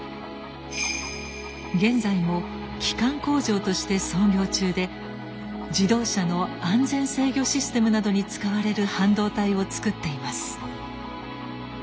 現在も基幹工場として操業中で自動車の安全制御システムなどに使われる半導体を作っています。